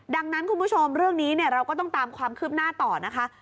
ดังนั้นคุณผู้ชมเรื่องนี้เราก็ต้องตามความคืบหน้าต่อนะคะ